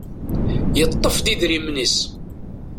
Yeṭṭef-d idrimen-is.